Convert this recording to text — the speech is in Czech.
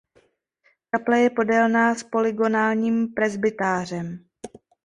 Kaple je podélná s polygonálním presbytářem.